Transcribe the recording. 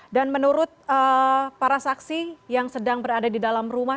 dan menurut para saksi yang sedang berada di dalam rumah